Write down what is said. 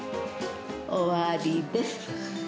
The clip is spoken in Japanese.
終わりです。